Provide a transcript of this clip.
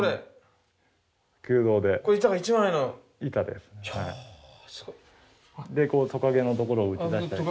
でトカゲのところを打ち出したり。